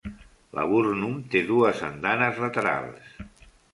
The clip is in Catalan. Laburnum té dues andanes laterals.